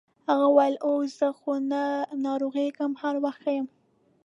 هغه وویل اوه زه خو نه ناروغیږم هر وخت ښه یم.